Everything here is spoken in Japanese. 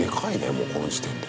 もうこの時点で。